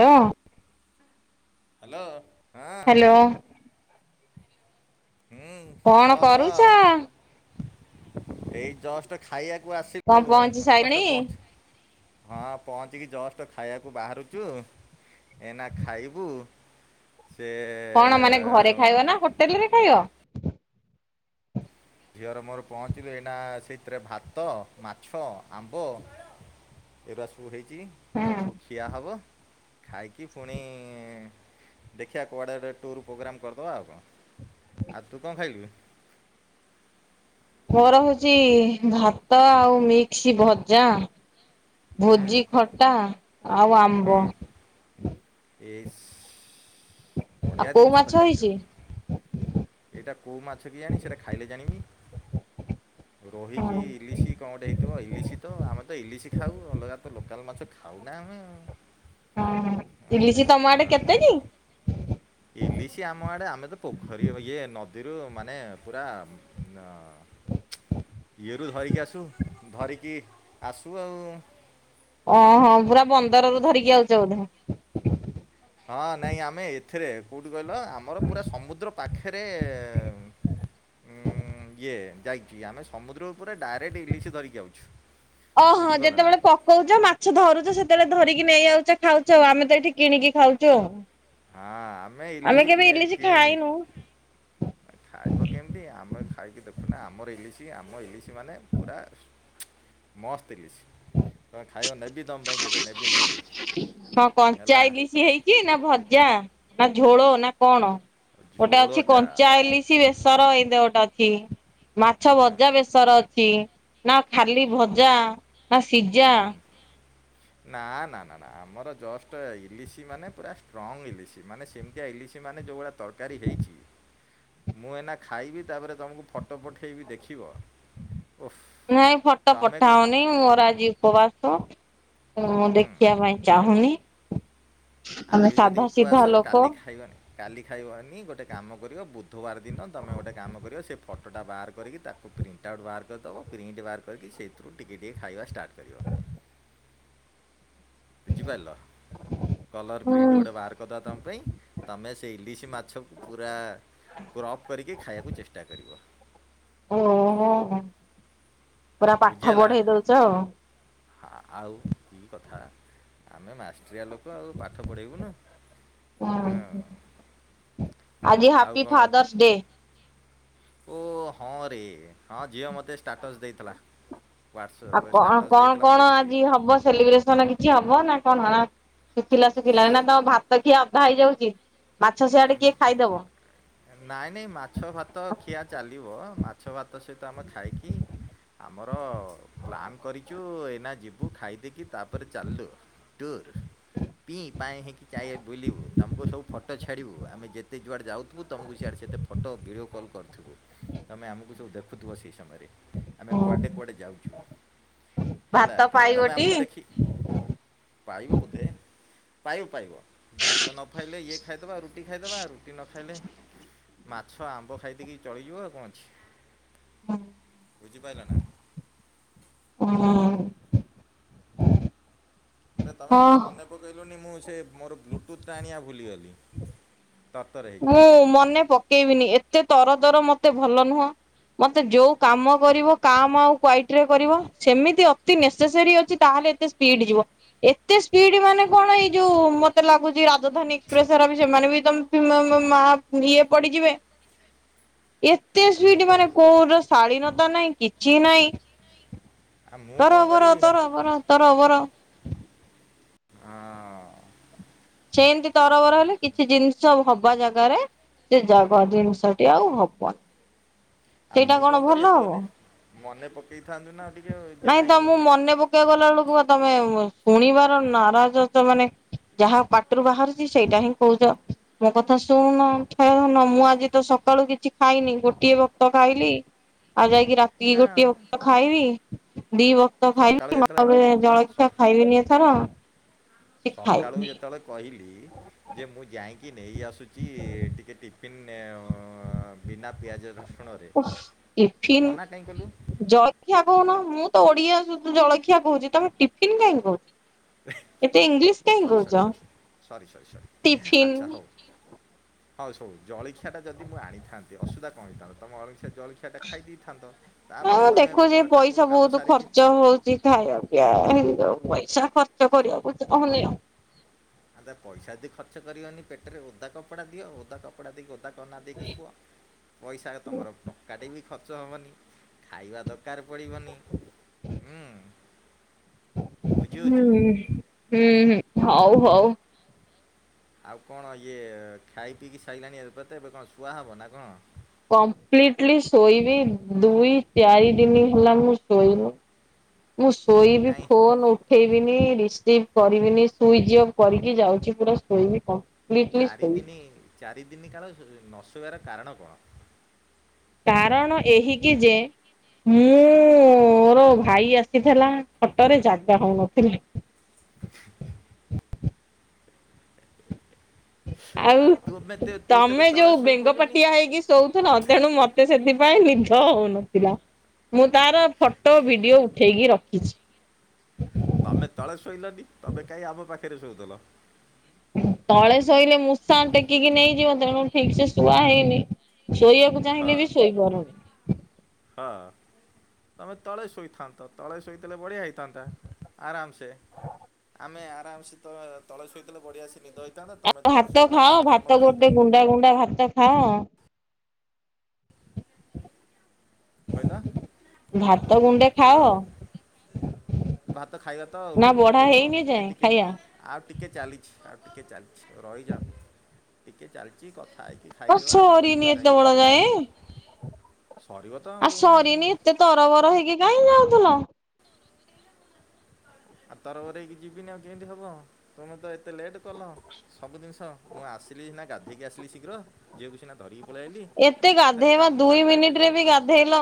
ହାଲ ହ୍ୟାଲୋ ହଁ ହାଲୋ ହୁଁ କଣ କହ କହ କରୁଛ? ଏଇ ଜଷ୍ଟ ଖାଇବାକୁ କଣ ଆସିଲୁ ପହଞ୍ଚି ସାଇଲଣି ଦଶଟା ପହଞ୍ଚ ହଁ ପହଞ୍ଚିକି ଜଷ୍ଟ ଖାଇବାକୁ ବାହାରୁଛୁ ଏନା ଖାଇବୁ। ସେ କଣ ମାନେ ଘରେ ଖାଇବ ନା ହୋଟେଲ ରେ ଖାଇବ? ଝିଅର ମୋର ପହଞ୍ଚିଲି ଏଇନା ସେଇଥିରେ ଭାତ ମାଛ ଆମ୍ବ ଏଉରା ସବୁ ହେଇଛି ତାପରେ ହୁଁ ସବୁ ଖିଆ ହବ। ଖାଇକି ପୁଣି ଦେଖିବା କୁଆଡ଼େ ଗୋଟେ ଟୁର୍ ପ୍ରୋଗ୍ରାମ୍ କରିଦେବା ଆଉ କଣ। ଆଉ ତୁ କଣ ଖାଇଲୁ? ମୋର ହଉଛି ଭାତ ଆଉ ମିକ୍ସ ଭଜା ଭୋଜି ହୁଁ ଖଟା ଆଉ ଆମ୍ବ। ଏସ। ଆଉ ବଢ଼ିଆ କୋଉ ଜିନିଷ ମାଛ ତ ଖାଇଛୁ। ହେଇଛି? ଏଇଟା କୋଉ ମାଛ କିଆଣି ସେଟା ଖାଇଲେ ଜାଣିବି ରୋହିକି ଇଲିଶି କଣ ଗୋଟେ ହେଇଥିବ ଇଲିଶି ତ ଆମେ ତ ଇଲିଶି ଖାଉ ଅଲଗା ତ ଲୋକାଲ ମାଛ ଖାଉ ନା ଆମେ। ହଁ ହଁ ଇଲିସି ତମ ଆଡେ ହଁ କେତେ କି? ଇଲିଶି ଆମ ଆଡେ ଆମେ ତ ପୋଖରୀ ଇଏ ନଦୀରୁ ମାନେ ପୁରା ନା। ଇଏରୁ ଧରିକି ଆସୁ ଧରିକି ଆସୁ ଆଉ। ଓହଁ ପୁରା ବନ୍ଦରରୁୁ ଧରିକି ଆଉଛ ବୋଧେ। ହଁ ନାଇଁ ଆମେ ଏଥିରେ କୋଉଠି କହିଲ ଆମର ପୁରା ସମୁଦ୍ର ପାଖରେ ଉଁ ଇଏ ଯାଇଛି ଆମେ ସମୁଦ୍ର ଉପରେ ଡାଇରେକ୍ଟ ଇଲିଶ ଧରିକି ଆଉଛୁ। ଓହୋ ବୁଝିପାରିଲ ନା ଯେତେବେଳେ ପକଉଛ ମାଛ ଧରୁଛ ସେତେବେଳେ ଧରିକି ନେଇ ଆଉଛ ଖାଉଛ ଆଉ ଆମେ ତ ଏଇଠି କିଣିକି ଖାଉଛୁ ଆଉ। ହଁ ଆମେ ଇଲିଶି କେବେ କି- ଇଲିସି କିଣିନି ଖାଇନୁ? ଖାଇବ କେମିତି ଆମେ ଖାଇକି ଦେଖୁନା ଆମର ଇଲିଶି ଆମ ଇଲିଶି ମାନେ ପୁରା ମସ୍ତ ଇଲିସି। ତମେ ଖାଇବ ନେବି ତମ ପାଇଁ। ନେବି ନେବି ହଁ କଞ୍ଚା ହେଲା ଇଲିସି ହେଇଛି ଛି ନା ଭଜା ନା ଝୋଳ ନା କଣ ଗୋଟେ ଅଛି ଝୋଳଟା କଞ୍ଚା ଇଲିସି ବେ ସର ଏମିତି ଗୋଟେ ଅଛି। ମାଛ ହଁ, ଭଜା ବେସ ସର ଅଛି। ନା ଖାଲି ଭଜା। ନା ସିଜା ହୁଁ। ନା ନା ନା ନା ଆମର ଜଷ୍ଟ ଇଲିସି ମାନେ ପୁରା ଷ୍ଟ୍ରଙ୍ଗ୍ ଇଲିସି ମାନେ ସେମିତିଆ ଇଲିସି ମାନେ ଯୋଉଭଳିଆ ତରକାରୀ ହେଇଛି ମୁଁ ଏଇନା ଖାଇବି ତାପରେ ତମକୁ ଫଟୋ ପଠାଇବି ଦେଖିବ। ଓଃ ନାଇଁ ଫଟୋ ତମେ କହି ପଠାଅନି ମୋର ଆଜି ଉପବାସ। ମୁଁ ହୁଁ ଦେଖିବା ପାଇଁ ଚାହୁଁନି। ଆମେ ଆଜି ଯଦି ସାଧା ସିଧା ଉପବାସ ଲୋକ କାଲି ଖାଇବାନି। କାଲି ଖାଇବନି ଗୋଟେ କାମ କରିବ ବୁଧବାର ଦିନ ତମେ ଗୋଟେ କାମ କରିବ ସେ ଫଟୋ ଫଟୋଟା ବାହାର କରିକି ତାକୁ ପ୍ରିଣ୍ଟ ଆଉଟ୍ ବାହାର କରିଦେବ। ପ୍ରିଣ୍ଟ ବାହାର କରିକି ସେଇଥିରୁ ଟିକିଏ ଟିକିଏ ଖାଇବା ଷ୍ଟାର୍ଟ କରିବ। ବୁଝିପାରିଲ? କଲର ହୁଁ ପ୍ରିଣ୍ଟ ଗୋଟେ ବାହର କରି ଦବା ତମ ପାଇଁ ତୁମେ ସେ ଇଲିଶି ମାଛକୁ ପୁରା କ୍ରପ୍ କରିକି ଖାଇବାକୁ ଚେଷ୍ଟା କରିବ। ଓହୋ ପୁରା ପାଠ ପଢେଇ ଦଉଛ ଆଉ। ଆ ଆଉ କି କଥା। ଆମେ ମାଷ୍ଟ ମାଷ୍ଟ୍ରିଆ ଲୋକ ଆଉ ପାଠ ପଢ଼େଇବୁନୁ ଆଉ। ହଁ। ଆଜି ଆଉ ହାପି କ'ଣ ଫାଦରର୍ସ ଡେ। ଓ ହଁ ରେ ହଁ ଝିଅ ମୋତେ ଷ୍ଟାଟସ୍ ଦେଇଥିଲା। ଆଉ ହ୍ୱାଟ୍ସଆପ୍ କଣ ଷ୍ଟାଟସ୍ କଣ ଦେଇଥିଲା ମୁଁ କଣ ଦେଖିଥିଲି ଆଜି ହବ ସେଲିବ୍ରେସନ କି କିଛି ହବ ନା କଣ କ ନା ଶୁଖିଲା ଶୁଖିଲା ନା ତମ ଭାତ ଖିଆ ଅଧା ହେଇଯାଉଚି। ମାଛ ସିଆଡେ କିଏ ଆନ୍- ଖାଇଦବ? ନାଇଁ ନାଇଁ ମାଛ ଭାତ ଖିଆ ଚାଲିବ। ମାଛ ଭାତ ସହିତ ଆମେ ଖାଇକି ଆମର ପ୍ଲାନ୍ କରିଚୁ ଏଇନା ଯିବୁ ଖାଇଦେଇକି ତାପରେ ଚାଲିଲୁ ଟୁର୍। ପିଇଁ ପାଏଁ ହେଇକି ଚାରିଆ ବୁଲିବୁ ତମକୁ ସବୁ ଫଟ ଛାଡିବୁ ଆମେ ଯେତେ ଯୁଆଡେ ଯାଉ ଥିବୁ ତୁମକୁ ସିଆଡେ ସେତେ ଫଟ ଭିଡ଼ିଓ କଲ୍ କରୁଥିବୁ ତମେ ଆମକୁ ସବୁ ଦେଖୁଥିବ ସେହି ସମୟରେ। ଆମେ କୁଆଡ଼େ କୁଆଡ଼େ ଯାଉଚୁ ହେଲା। ଭାତ କିନ୍ତୁ ତମେ ପାଇବଟି ଆମକୁ ଦେଖିକି ପାଇବ ବୋଧେ ପାଇବ ପାଇବ ଭାତ ନ ଫାଇଲେ ଇଏ ଖାଇଦବା ରୁଟି ଖାଇଦବା ରୁଟି ନ ଖାଇଲେ ମାଛ, ଆମ୍ବ ଖାଇ ଦେଇକି ଚଳିଯିବ ଆଉ କଣ ଅଛି। ବୁଝିପାରିଲ ନା? ହୁଁ ଆରେ ତମେ ମୋତେ ମନେ ପକେଇଲୁନି ମୁଁ ସେ ମୋର ବ୍ଲୁଟୁଥ୍ ଟା ଆଣିବା ଭୁଲିଗଲି। ତରତର ହେଇକି ମୁଁ ମନେ ପକେଇବିନି ଏତେ ତର ତର ମୋତେ ଭଲ ନୁହଁ। ମୋତେ ଯୋଉ କାମ କରିବ କାମ୍ ଆଉ କ୍ୱାଇଟରେ କରିବ ସେମିତି ଅତି ନେସେସେରୀ ଅଛି ତାହେଲେ ଏତେ ସ୍ପିଡ ଯିବ। ଏତେ ସ୍ପିଡ ମାନେ କଣ ଏଇ ଯୋଉ ମୋତେ ଲାଗୁଚି ରାଜଧାନୀ [unintelligible] ବି ସେମାନେ ବି ତମ ମା-ମା-ମା ଇଏ ପଡିଯିବେ। ଇଏ ଏତେ ଆଉ ମୁଁ ସ୍ପିଡ୍ କ'ଣ ମାନେ କୋଉର ଶାଳୀନତା ନାହିଁ କିଛି ନାହିଁ। ଆଉ ମୁଁ ତର କ'ଣ ବର କରିବି ତର ବର ତର ବର। ଆଁ ସେମତି ତରବର ହେଲେ କିଛି ଜିନିଷ ହବା ଜାଗାରେ ସେ ଜାଗ ଜିନିଷଟି ଆଉ ହବନି। ଆଉ ସେଇଟା ମୁଁ କଣ କରିବି ଭଲ ହବ? ଏତୁଏନେ ମନେ ପକେଇଥାନ୍ତୁ ନାଁ ଆଉ ଟିକେ ଆଉ ଏତେ ନାଇଁ। ଏତେଗଲା ବେଳକୁ ତମେ ଶୁଣିବାର ନାରାଜ ଅଛ ମାନେ ଯାହା ପାଟିରୁ ବାହାରୁଚି ସେଇଟା ହିଁ କହୁଚ। ମୋ କଥା ଶୁଣୁନ [unintelligible] ମୁଁ ଆଜି ତ ସକାଳୁ କିଛି ଖାଇନି ଗୋଟିଏ ବ ତ ଖାଇଲି ଆଉ ଯାଇକି ରାତିକି ହଁ ଗୋଟିଏ ବକ୍ତ ଖାଇବି ଦି ବକ୍ତ ତ ଖାଇ ସକାଳୁ [inaudible] ଯେତେବେଳେ ତାପରେ ସ ଜଳଖିଆ ଖାଇବିନି ଏଥର। ସେ ସକାଳୁ ଖାଇବିନି ଯେତେବେଳେ କହିଲି ଯେ ମୁଁ ଯାଇଁକି ନେଇ ଆସୁଚି ଟିକେ ଟିଫନ୍ ଆଁ ବିନା ପିଆଜ ରସୁଣରେ ଓଃ ଟିଫିନ୍ ମନା କାଇଁ କଲୁ? ଜଳଖିଆ କହୁନ ମୁଁ ତ ଓଡିଆ ସୁଧୁ ଜଳଖିଆ କହୁଚି ତମେ ଟିଫିନ୍ କାହିଁକି କହୁଚ? ଏତେ ଇଂଲିଶ ଓ କାଇଁ ସରି ସରି କହୁଚ ସରି ସରି ସରି ଟିଫିନ୍। ହ ହଁ ସବୁ ଜଳଖିଆ ଟା ଯଦି ମୁଁ ଆଣିଥାନ୍ତି ଅସୁବିଧା କଣ ହେଇଥାନ୍ତା ତମ [unintelligible] ଜଳଖି ସେଟା ଖାଇ ଦେଇଥାନ୍ତ ହଁ ତାପରେ ତମେ ଦେଖୁଛି ପଇସା ଠାକୁର କାମ ବହୁତ ସାରିକି ଖର୍ଚ୍ଚ ହଉଛି ଖାଇବା ପିଇବା ହେଇ ଯାଉ ପଇସା ଖର୍ଚ୍ଚ କରିବାକୁ ଚାହୁଁନି ଆଉ। ଆଉ ପଇସା ଯଦି ଖର୍ଚ୍ଚ କରିବନି ପେଟରେ ଓଦା କପଡ଼ା ଦିଅ ଓଦା କପଡ଼ା। କପଡ଼ା ଦେଇକି ଓଭ କନା ଦେଇକି ଶୁଅ। ପଇସା ତମର ଟଙ୍କାଟେ ବି ଖର୍ଚ୍ଚ ହବନି ଖାଇବା ତ କାର ପଡ଼ିବନି ହୁଁ ହୁଁ ବୁଝିଉଉଚି। ହୁଁ ହୁଁ ହଉ ହଉ। ଆଉ କଣ ଇଏ ଖାଇ ପିଇକି ସାଇଲାଣି ଏବେ ତେ ଏବେ କଣ ଶୁଆ ହବ ନା କଣ? କମ୍ପ୍ଲିଟ ଲି ଶୋଇବି ଦୁଇ ଚାରି ଦିନି ହେଲା ମୁଁ ଶୋଇନୁ। ମୁଁ ଶୋଇବି କାଇଁ ଫୋନ ଉ ଠେଇବିନି ରିସିଭ୍ କରିବିନି ସୁଇଜ୍ ଅଫ୍ କରିକି ଯାଉଛି ପୁରା ଶୋଇବି କ ଚାରିଦିନି ଚାରିଦିନି କାଳ ଶୋ ନ ଶୋଇବାର କାରଣ କଣ? କାରଣ ଏହିକି ଯେ ଉଁ ମୋର ଭାଇ ଆସିଥିଲା ଖଟରେ ଜାଗା ହଉନଥିଲି। ଆଉ ତୁମେ ତମେ ଯୋଉ ବେଙ୍ଗ ପାଟିଆ ହେଇକି ଶୋଉଥେଲ ତେଣୁ ମତେ ସେଥିପାଇଁ ନି ଦ ହଉନଥିଲା ମୁଁ ତାର ଫଟୋ ଭିଡିଓ ଉଠେଇକି ରଖିଚି। ତମେ ତଳେ ଶୋଇଲନି ତମେ କାଇଁ ଆମ ପାଖେରେ ଶୋଇଥେଲ। ତଳେ ଶୋଇଲେ ମୂଷା ଟେକିକି ନେଇଯିବ ତେଣୁ ଠିକ୍ ସେ ଶୁଆ ହେଇନି। ଶୋଇଆକୁ ଚାହିଁଲେ ବି ଶୋଇପାରୁନି। ଅଁ ତମେ ତଳେ ଶୋଇଥାନ୍ତ ତଳେ ଶୋଇଥେଲେ ବଢିଆ ହେଇଥାନ୍ତା ଆରାମସେ ସେ ଆମେ ଆରାମ ସେ ତ ତଳେ ଶୋଇଥିଲେ ବଢିଆ ସେ ନିଦ ହେ ଥାନ୍ତା ତମେ ତମର ଶୋଇଥାନ୍ତ ଆମେ ଆମର ଶୋଇଥାନ୍ତୁ। ଗୁଣ୍ଡାଏ ଭାତ ଖାଅ। କ'ଣ କହିଲ ଭାତ ଗୁଣ୍ଡେ ହ୍ୟାଲୋ ଖାଅ। ଭାତ ଖାଇବା ତ ନା ଆଉ ବଢା ଟିକେ ରୁହ ହେଇନି ଏ ଯାଏଁ ଟିକେ ଖାଇବା? ଆଉ ଟିକେ ଚାଲିଛି ଆଉ ଟିକିଏ ଚାଲିଛି ରହିଯାଅ ଟିକିଏ ଚାଲଚି କଥା ହେଇକି ଖାଇକି ବା ଆଉ ସରିନି ବ୍ୟସ୍ତ ଏତେ କାହିଁକି। ବେଳ ଯାଏଁ? ଆଉ ସରିନି ଏତେ ତରବର ହେଇକି କାଇଁକି ଯାଉଥଲ। ଆଉ ତରବର ହେଇକି ଯିବିନି ଆଉ କେନ୍ତି ହବ ତମେ ତ ଏତେ ଲେଟ୍ କଲ ସବୁ ଜିନିଷ। ମୁଁ ଆସିଲି ସିନା ଗାଧୋଇକି ଆସିଲି ଶୀଘ୍ର। ଝିଅକୁ ସିନା ଧରିକି ପଳେଇଆଇଲି ତଥାପି କାମ ଗୁରାକ ଗୁଡାଏ ପେଣ୍ଡିଙ୍ଗରେ ଧେଇଲ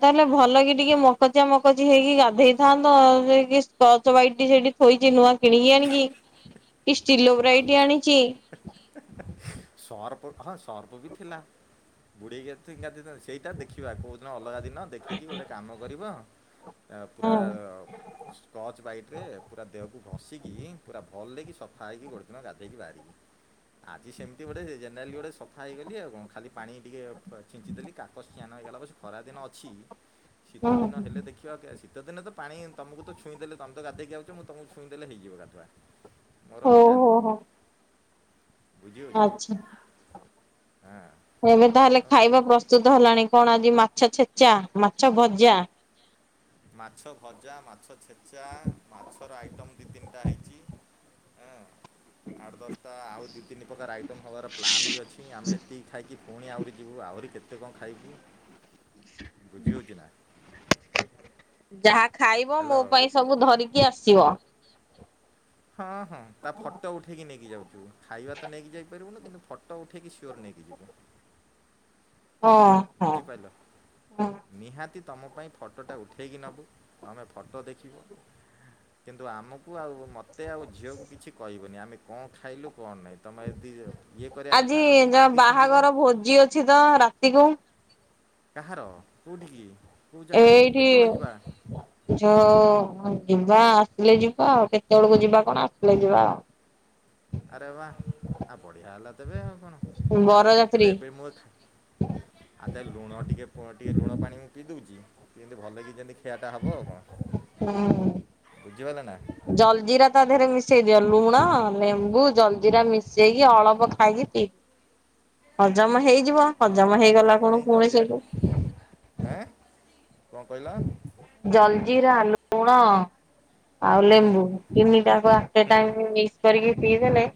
ତାହେଲେ ଭଲ କି ଟିକେ ମକଚା ମକଚି ହେଇକି ଗାଧେଇଥାନ୍ତ ଆଉ ଯେ କି ଟଚ୍ ୱାଇଟ୍ ସେଇଟି ଥୋଇଚି ନୂଆ କିଣିକି ଆଣିକି କି ଷ୍ଟିଲୋ ଆଉ ବ୍ରାଇଟି ଗୋଟେ ଆଣିଚି। ସର୍ପ ହଁ ସର୍ପ ବି ଥିଲା ବୁଡେଇକି ଏଥେ ଗାଧେଇଥାନ୍ତି। ସେଇଟା ଦେଖିବା କୋଉଦିନ ଅଲଗା ଦିନ ଦେଖିକି ଗୋଟେ କାମ କରିବ ଏ ହଁ ପୁରା ସ୍କଚ୍ ବାଇଟରେ ପୁରା ଦେହକୁ ଘଷିକି ପୁରା ଭଲେ କି ସ ଖାଇକି ଗୋଟେ ଦିନ ଗାଧେଇକି ବାହାରିବି। ଆଜି ସେମତି ଗୋଟେ ଜେନେରାଲି ଗୋଟେ ସଫା ହେଇଗଲି ଆଉ କଣ ଖାଲି ପାଣି ଟିକେ ପ ଛିଞ୍ଚି ଦେଲି କାକ ସ୍ନାନ ହେଇଗଲା ବାସ୍ ଖରାଦିନ ଅଛି। [inaudible] ଶୀତ ଦିନ ହେଲେ ଦେ ଖିବା କେ ଶୀତଦିନେ ତ ପାଣି ତମୁକୁ ତ ଛୁଇଁ ଦେଲେ ତମେ ତ ଗାଧେଇକି ଆଉଚ ମୁଁ ତମୁକୁ ଛୁଇଁ ଦେଲେ ହେଇଯିବ ଗାଧୁଆ। ମୋର ଦରକାର ହଉ ନାଇଁ ହଉ ବୁଝି ହଉଚି ଆଚ୍ଛା। ଆଁ। ଏବେ ତାହେଲେ ଖାଇବା ପ୍ରସ୍ତୁତ ହେଲାଣି କଣ ଆଜି ମାଛ ଛେଚା ମାଛ ଭଜା। ମାଛ ଭଜା ମାଛ ଛେଚା ମାଛର ଆଇଟମ୍ ଦି ତିନିଟା ହେଇଚି। ଏଁ ଆଠ ଦଶଟା ଆଉ ଦି ତିନି ପ୍ରକାର ଆଇଟମ୍ ହବାର ପ୍ଲାନ୍ ବି ଅଛି ଆମେ ଏତିକି ଖାଇକି ପୁଣି ଆହୁରି ଯିବୁ ଆହୁରି କେତେ କଣ ଖାଇବୁ ବୁଝି ହଉଚି ନା। ଯାହା ଖାଇବ ମୋ ହ୍ୟାଲୋ ପାଇଁ ସବୁ ଧରିକି ଆସିବ। ହଁ ହଁ ତା ଫଟ ଉଠେଇକି ନେଇକି ଯାଉଚୁ ଖାଇବା ତ ନେଇକି ଯାଇପାରିବୁନି କିନ୍ତୁ ଫ ତ ଉଠେଇକି ସିଓର ନେଇକି ଯିବୁ। ହଁ। ହଁ ବୁଝିପାଇଲ? ହଁ। ନିହାତି ତମ ପାଇଁ ଫଟୋଟା ଉଠେଇକି ନେବୁ ତମେ ଫଟୋ ଦେଖିବ କିନ୍ତୁ ଆମକୁ ଆଉ ମତେ ଆଉ ଝିଅକୁ କିଛି କହିବନି ଆମେ କଣ ଖାଇଲୁ କଣ ନାଇ। ତମେ ଯଦି ଇଏ କରିବା ଆଜି କଥା ଆମ ଯ ପାଟି ଶୁଙ୍ଗିବ ବାହାଘର ଭୋଜି ଅ ଅଛି ତ ରାତିକୁ କାହାର କୋଉଠିକି କୋଉ ଜାଗାରେ କେତେବେଳେ ଯିବା? ଯ ଯିବା ଆସିଲେ ଯିବା ଆଉ କେତେ ବେଳକୁ ଯିବା କଣ ଆସିଲେ ଯିବା ଆଉ। ଆରେ ବା ଆଉ ବଢିଆ ହେଲା ତେବେ ଆଉ କଣ ଆ ରାତିରେ ତେବେ ବରଯାତ୍ରୀ ଏବେ ମୁଁ ଅ ଆ ତା ଲୁଣ ଟିକେ ଫୁଣ ଟିକେ ଲୁଣ ପାଣି ମୁଁ ପିଇ ଦେଉଛି ଯେନ୍ତି ଭଲକି ଯେମିତି ଖିଆଟା ହବ ଆଉ କଣ ବୁଝିପାରିଲେ ନା? ଜଲ ଜିରା ତା ଦେହରେ ମିଶେଇ ଦିଅ ଲୁଣ ଲେମ୍ବୁ ଜଲ ଜିରା ହୁଁ। ମିଶେଇକି ଅଳପ ଖାଇକି ପିଇବ ହଜମ ହେଇଯିବ। ହଁ ହଜମ ହେଇଗଲା ଖୁଣୁ ପୁଣି ସେଇଠୁ ଆଁ କଣ କହିଲ? ଜଲ୍ଜିରା ଲୁଣ ଆଉ ହୁଁ ଲେମ୍ବୁ ତିନିଟାକୁ ଆଟ ଏ ହୁଁ ଟାଇମ୍ ମିକ୍ସ କରିକି ପିଇଦେଲେ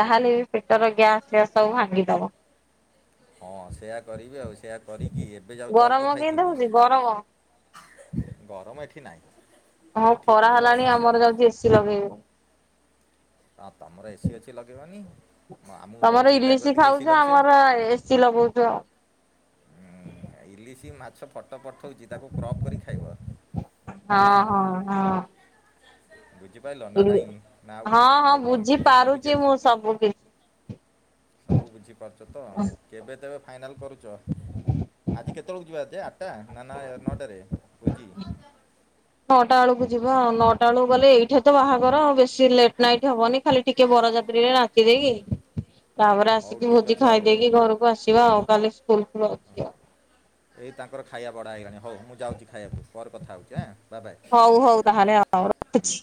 ଯାହାହେଲେ ବି ପେଟର ଗ୍ୟାସ ଫ୍ୟାସ ସବୁ ଭାଙ୍ଗିଦବ। ହଁ ସେୟା କରିବି ଆଉ ସେୟା କରିକି ଏବେ ଯାଉଛି ଗରମ ଅଳ୍ପ କେମିତି ଖାଇଥିବି ହଉଛି ଗରମ ଗରମ ଏଠି ନାହିଁ। ହଁ ଏଠି ଖରା କେଉଁଠୁ ଗରମ ହେଲାଣି ଆସିବ ମ ଆମର ଯାଉଛି ଏସିି ଲଗେଇବି। ହଁ ତମର ଏସିି ଅଛି ଲଗେଇବନି। ମ, ଆମକୁ ଘରୁ ତମର ବିଦା ଇଲିଶି କରିଦେଇକି ଏସି ଖାଉଛ ଲଗେଇବ ଆମର ଏସିି ଲଗଉଛୁ ଆଉ। ହୁଁ ଇଲିସି ମାଛ ଫଟ ପଠୋଉଛି ତାକୁ କ୍ରପ୍ କରି ଖାଇବ ହେଲା? ହଁ ହଁ ହଁ। ବୁଝିପାରିଲ ନା ଇଲି ନାଇଁ ନା ଆଉ? ହଁ ଆଉ ହଁ ବୁଝି କନଫ୍ୟୁଜନ୍ କ'ଣ ପାରୁଛି ବୁଝିପାରିଲି ମୁଁ ସବୁ କିଛି। ସବୁ ବୁଝିପାରୁଛ ତ କେବେ ତେବେ ଫାଇନାଲ୍ କରୁଛ? ଆଜି କେତେବେଳକୁ ଯିବା ଯେ ଆଠଟା ନା ନା ନଅଟାରେ ଭୋଜି? [inaudible] ନଅଟା ବେଳକୁ ଯିବା ଆଉ ନଅଟା ବେଳକୁ ଗଲେ ଏଇଠା ତ ବାହାଘର ଆଉ ବେଶୀ ଲେଟ୍ ନାଇଟ୍ ହବନି। ଖାଲି ଟିକେ ବରଯାତ୍ରୀରେ ନାଚି ଦେଇକି ତାପରେ ହଉ ଆସିକି ଠିକ୍ ଭୋଜି ଅଛି ହଉ ଖାଇ ଦେଇକି ଘରକୁ ଆସିବା ଆଉ କାଲି ସ୍କୁଲ ଫୁଲ୍ ଅଛି। ଏଇ ତାଙ୍କର ଖାଇବା ବଡ଼ା ହୋଇଇଗଲାଣି ହଉ ମୁଁ ଯାଉଛି ଖାଇବାକୁ ପରେ କଥା ହଉଛି ଏଁ ବାବାଏ। ହଉ ହଉ ତାହେଲେ ରଖୁଛି।